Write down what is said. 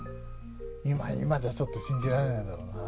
今じゃちょっと信じられないだろうなあ。